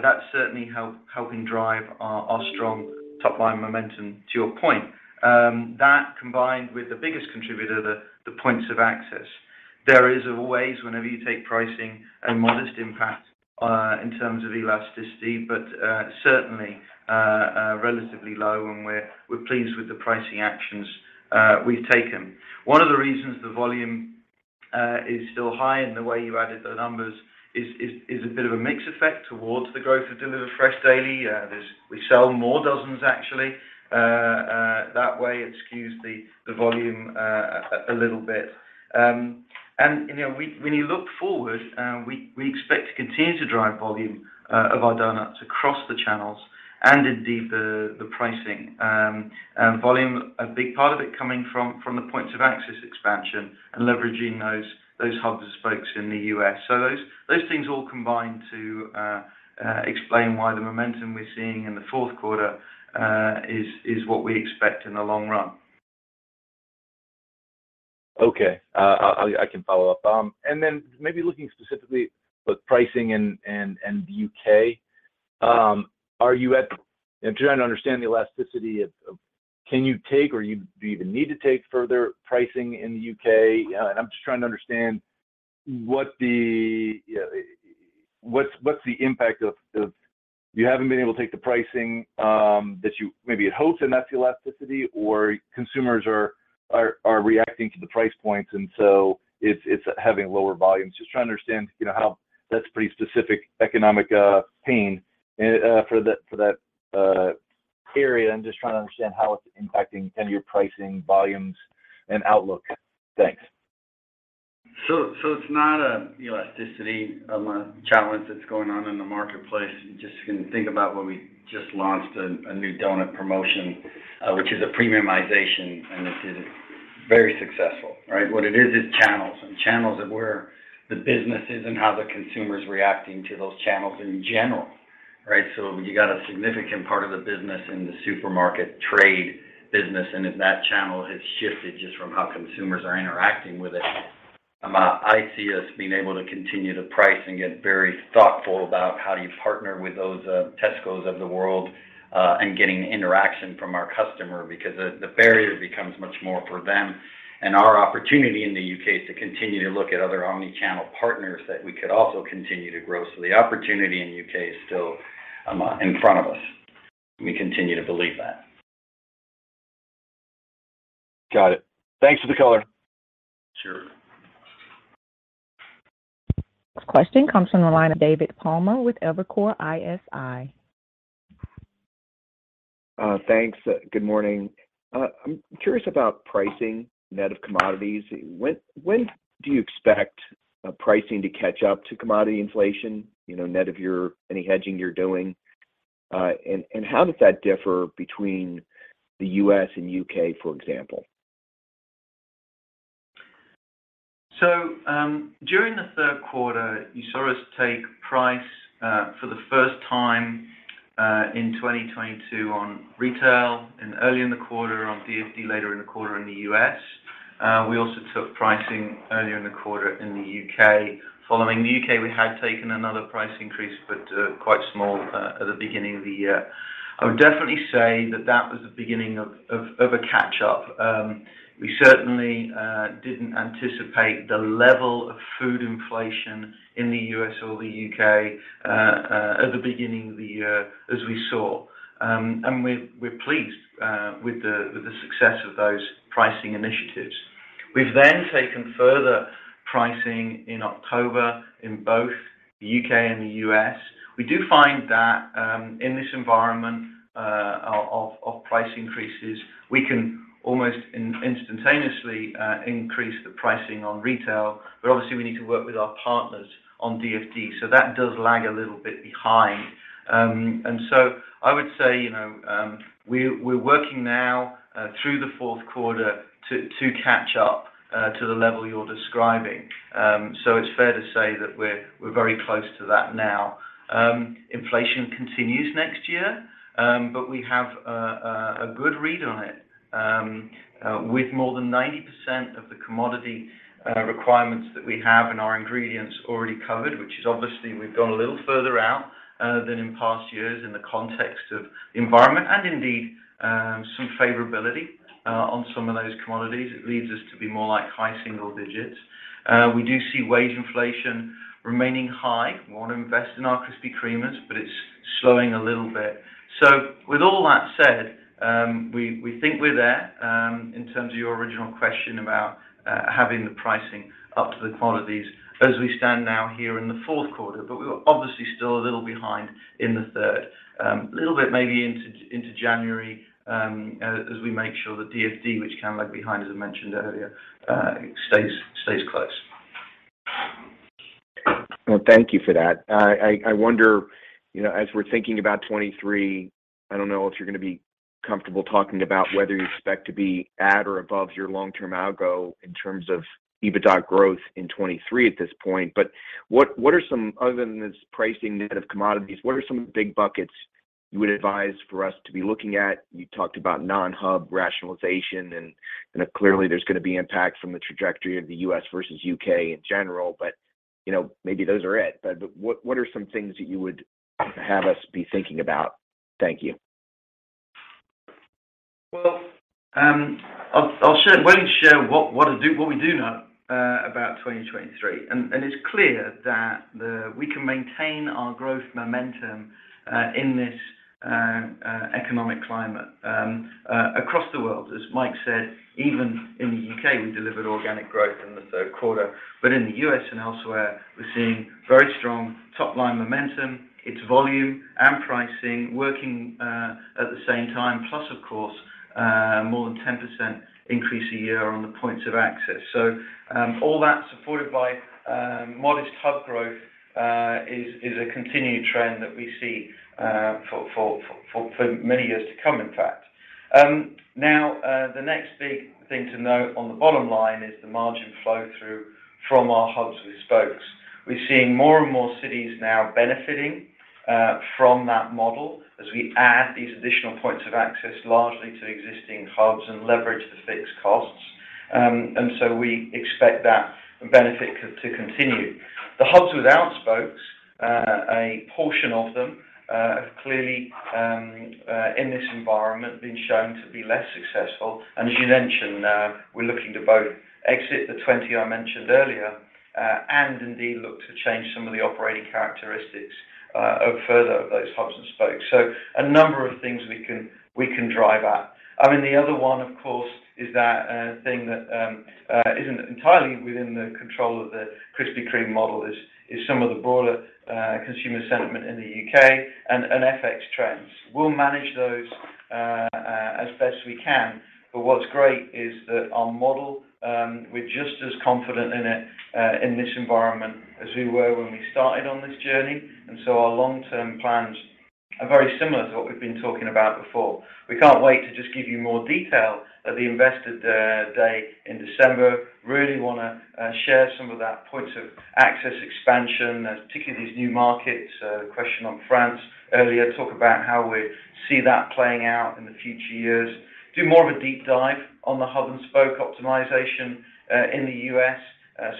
That's certainly helping drive our strong top line momentum to your point. That combined with the biggest contributor, the points of access. There is always, whenever you take pricing, a modest impact in terms of elasticity, but certainly relatively low, and we're pleased with the pricing actions we've taken. One of the reasons the volume is still high and the way you added the numbers is a bit of a mix effect towards the growth of Delivered Fresh Daily. There's we sell more dozens actually, that way it skews the volume a little bit. You know, when you look forward, we expect to continue to drive volume of our doughnuts across the channels and indeed the pricing. Volume, a big part of it coming from the points of access expansion and leveraging those hubs and spokes in the US. Those things all combine to explain why the momentum we're seeing in the fourth quarter is what we expect in the long run. Okay. I can follow up. Then maybe looking specifically with pricing and the U.K.. I'm trying to understand the elasticity of can you take or do you even need to take further pricing in the U.K.? I'm just trying to understand what the, you know, what's the impact of you haven't been able to take the pricing that you maybe had hoped, and that's the elasticity or consumers are reacting to the price points, and so it's having lower volumes. Just trying to understand, you know, how that's pretty specific economic pain for that area and just trying to understand how it's impacting kind of your pricing, volumes and outlook. Thanks. It's not an elasticity challenge that's going on in the marketplace. You can just think about when we just launched a new doughnut promotion, which is a premiumization, and it is very successful, right? What it is channels and channels of where the business is and how the consumer is reacting to those channels in general, right? You got a significant part of the business in the supermarket trade business, and if that channel has shifted just from how consumers are interacting with it, I see us being able to continue to price and get very thoughtful about how do you partner with those Tesco of the world, and getting interaction from our customer because the barrier becomes much more for them. Our opportunity in the U.K. is to continue to look at other omni-channel partners that we could also continue to grow. The opportunity in the U.K. is still in front of us. We continue to believe that. Got it. Thanks for the color. Sure. This question comes from the line of David Palmer with Evercore ISI. Thanks. Good morning. I'm curious about pricing net of commodities. When do you expect pricing to catch up to commodity inflation, you know, net of any hedging you're doing? How does that differ between the U.S. and U.K., for example? During the third quarter, you saw us take price for the first time in 2022 on retail and early in the quarter on DFD, later in the quarter in the U.S. We also took pricing earlier in the quarter in the U.K. Following the U.K., we had taken another price increase, but quite small, at the beginning of the year. I would definitely say that that was the beginning of a catch-up. We certainly didn't anticipate the level of food inflation in the U.S. or the U.K. at the beginning of the year as we saw. We're pleased with the success of those pricing initiatives. We've then taken further pricing in October in both the U.K. and the U.S. We do find that, in this environment, of price increases, we can almost instantaneously increase the pricing on retail, but obviously we need to work with our partners on DFD. That does lag a little bit behind. I would say, you know, we're working now through the fourth quarter to catch up to the level you're describing. It's fair to say that we're very close to that now. Inflation continues next year, but we have a good read on it, with more than 90% of the commodity requirements that we have in our ingredients already covered, which is obviously we've gone a little further out than in past years in the context of the environment and indeed, some favorability on some of those commodities. It leads us to be more like high single digits. We do see wage inflation remaining high. We want to invest in our Krispy Kremers, but it's slowing a little bit. With all that said, we think we're there in terms of your original question about having the pricing up to the commodities as we stand now here in the fourth quarter. We're obviously still a little behind in the third. Little bit maybe into January as we make sure the DFD, which lag behind, as I mentioned earlier, stays close. Well, thank you for that. I wonder, you know, as we're thinking about 2023, I don't know if you're going to be comfortable talking about whether you expect to be at or above your long-term algo in terms of EBITDA growth in 2023 at this point. But what are some other than this pricing net of commodities, what are some of the big buckets you would advise for us to be looking at? You talked about non-hub rationalization, and clearly there's going to be impact from the trajectory of the U.S. versus U.K. in general. But, you know, maybe those are it. But what are some things that you would have us be thinking about? Thank you. Well, I'll share what we do know about 2023. It's clear that we can maintain our growth momentum in this economic climate across the world. As Mike said, even in the U.K., we delivered organic growth in the third quarter. In the U.S. and elsewhere, we're seeing very strong top-line momentum. It's volume and pricing working at the same time, plus, of course, more than 10% increase a year on the points of access. All that supported by modest hub growth is a continued trend that we see for many years to come, in fact. Now, the next big thing to note on the bottom line is the margin flow through from our hubs to the spokes. We're seeing more and more cities now benefiting from that model as we add these additional points of access largely to existing hubs and leverage the fixed costs. We expect that benefit to continue. The hubs without spokes, a portion of them, have clearly in this environment been shown to be less successful. As you mentioned, we're looking to both exit the 20 I mentioned earlier and indeed look to change some of the operating characteristics of further of those hubs and spokes. A number of things we can drive at. I mean, the other one, of course, is that thing that isn't entirely within the control of the Krispy Kreme model is some of the broader consumer sentiment in the U.K. and FX trends. We'll manage those as best we can. What's great is that our model, we're just as confident in it in this environment as we were when we started on this journey. Our long-term plans are very similar to what we've been talking about before. We can't wait to just give you more detail at the Investor Day in December. Really wanna share some of that points of access expansion, particularly these new markets. Question on France earlier, talk about how we see that playing out in the future years. Do more of a deep dive on the hub and spoke optimization, in the US,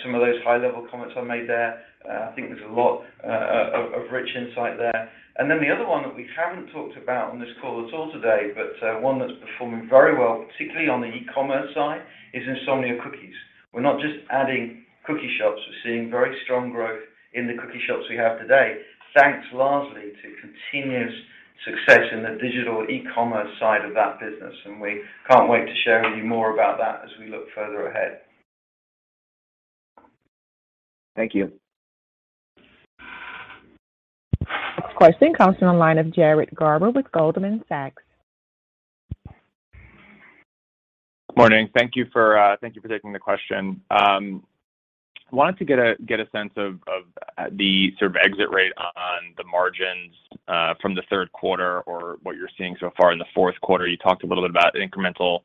some of those high-level comments I made there. I think there's a lot of rich insight there. Then the other one that we haven't talked about on this call at all today, but, one that's performing very well, particularly on the e-commerce side, is Insomnia Cookies. We're not just adding cookie shops. We're seeing very strong growth in the cookie shops we have today, thanks largely to continuous success in the digital e-commerce side of that business. We can't wait to share with you more about that as we look further ahead. Thank you. Next question comes from the line of Jared Garber with Goldman Sachs. Morning. Thank you for taking the question. Wanted to get a sense of the sort of exit rate on the margins from the third quarter or what you're seeing so far in the fourth quarter. You talked a little bit about incremental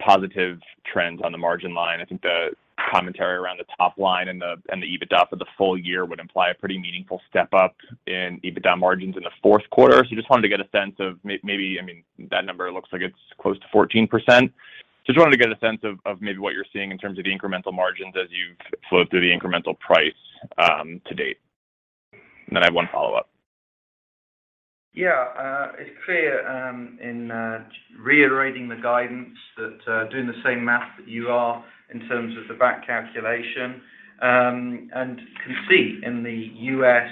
positive trends on the margin line. I think the commentary around the top line and the EBITDA for the full year would imply a pretty meaningful step-up in EBITDA margins in the fourth quarter. Just wanted to get a sense of maybe, I mean, that number looks like it's close to 14%. Just wanted to get a sense of maybe what you're seeing in terms of the incremental margins as you've flowed through the incremental price to date. And then I have one follow-up. Yeah. It's clear in reiterating the guidance that doing the same math that you are in terms of the back calculation and can see in the U.S.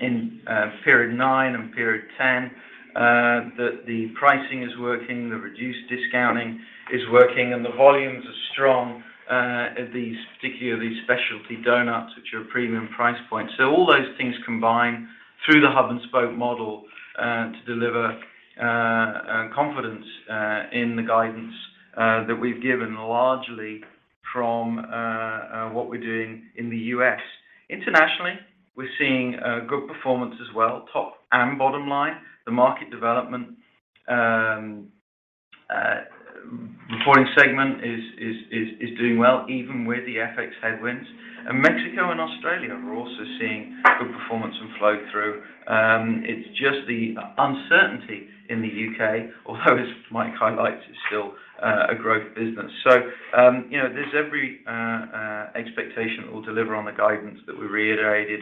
in period nine and period 10 that the pricing is working, the reduced discounting is working, and the volumes are strong at these, particularly these specialty doughnuts, which are a premium price point. All those things combine through the hub and spoke model to deliver confidence in the guidance that we've given, largely from what we're doing in the U.S. Internationally, we're seeing good performance as well, top and bottom line. The market development reporting segment is doing well, even with the FX headwinds. Mexico and Australia are also seeing good performance and flow-through. It's just the uncertainty in the U.K., although as Mike highlights, is still a growth business. You know, there's every expectation that we'll deliver on the guidance that we reiterated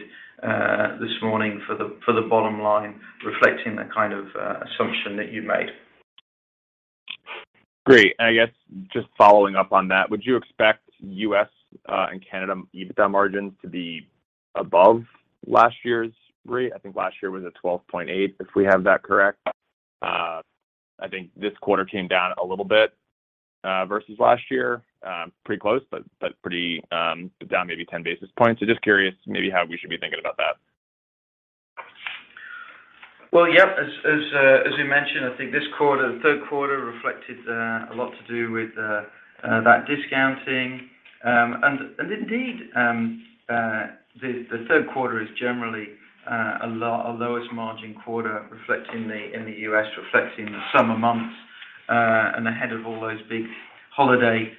this morning for the bottom line, reflecting the kind of assumption that you made. Great. I guess just following up on that, would you expect U.S. and Canada EBITDA margins to be above last year's rate? I think last year was at 12.8%, if we have that correct. I think this quarter came down a little bit versus last year. Pretty close, but pretty down maybe 10 basis points. Just curious maybe how we should be thinking about that. Well, yeah, as we mentioned, I think this quarter, the third quarter reflected a lot to do with that discounting. Indeed, the third quarter is generally the lowest margin quarter, reflecting in the U.S., reflecting the summer months and ahead of all those big holiday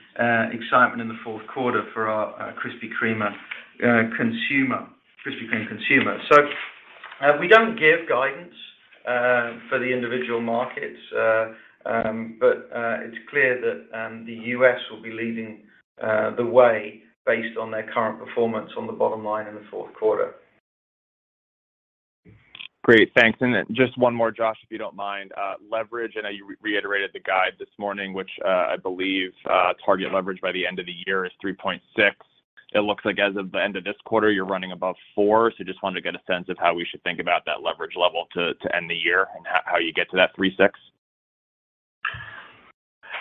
excitement in the fourth quarter for our Krispy Kreme consumer. We don't give guidance for the individual markets. It's clear that the U.S. will be leading the way based on their current performance on the bottom line in the fourth quarter. Great. Thanks. Just one more, Josh, if you don't mind. Leverage, I know you reiterated the guide this morning, which, I believe, target leverage by the end of the year is 3.6. It looks like as of the end of this quarter, you're running above four. Just wanted to get a sense of how we should think about that leverage level to end the year and how you get to that 3.6.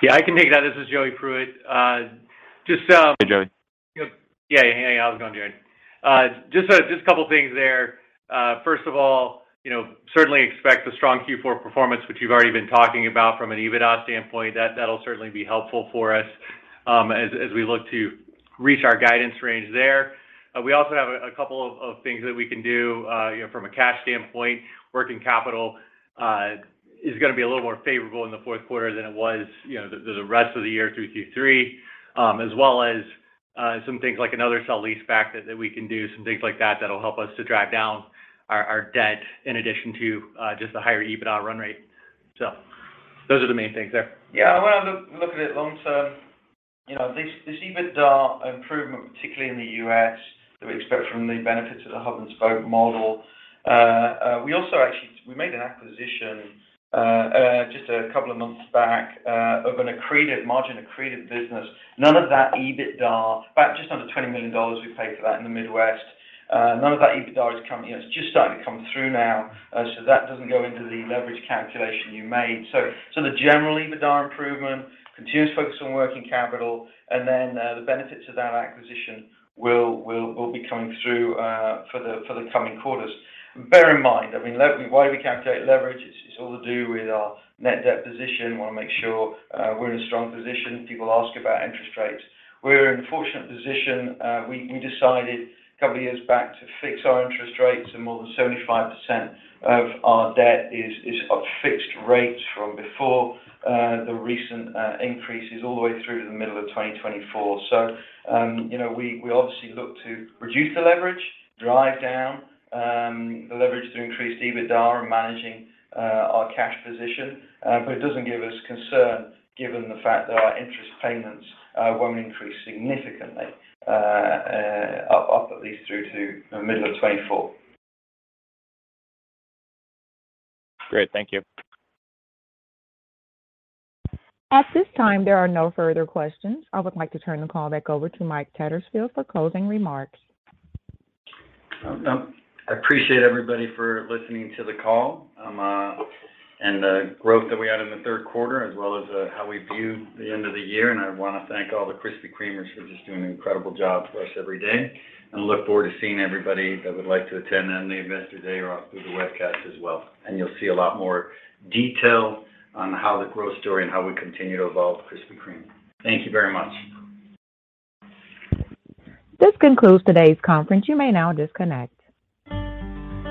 Yeah, I can take that. This is Joey Pruitt. Hey, Joey. Yeah. Hey, how's it going, Jared? Just a couple things there. First of all, you know, certainly expect a strong Q4 performance, which you've already been talking about from an EBITDA standpoint. That, that'll certainly be helpful for us, as we look to reach our guidance range there. We also have a couple of things that we can do, you know, from a cash standpoint. Working capital is gonna be a little more favorable in the fourth quarter than it was, you know, the rest of the year through Q3. As well as some things like another sale-leaseback that we can do, some things like that'll help us to drive down our debt in addition to just the higher EBITDA run rate. Those are the main things there. Yeah. I want to look at it long term. You know, this EBITDA improvement, particularly in the U.S., that we expect from the benefits of the hub and spoke model. We also actually made an acquisition just a couple of months back of a margin-accretive business. None of that EBITDA, about just under $20 million we paid for that in the Midwest, is coming. It's just starting to come through now. That doesn't go into the leverage calculation you made. The general EBITDA improvement continues focus on working capital, and then the benefits of that acquisition will be coming through for the coming quarters. Bear in mind, I mean, why we calculate leverage, it's all to do with our net debt position. We wanna make sure we're in a strong position. People ask about interest rates. We're in a fortunate position. We decided a couple of years back to fix our interest rates, and more than 75% of our debt is at fixed rates from before the recent increases all the way through to the middle of 2024. We obviously look to reduce the leverage, drive down the leverage to increase EBITDA and managing our cash position. It doesn't give us concern given the fact that our interest payments won't increase significantly up at least through to the middle of 2024. Great. Thank you. At this time, there are no further questions. I would like to turn the call back over to Mike Tattersfield for closing remarks. I appreciate everybody for listening to the call and the growth that we had in the third quarter, as well as how we view the end of the year. I wanna thank all the Krispy Kremers for just doing an incredible job for us every day. I look forward to seeing everybody that would like to attend on the investor day or through the webcast as well. You'll see a lot more detail on how the growth story and how we continue to evolve Krispy Kreme. Thank you very much. This concludes today's conference. You may now disconnect.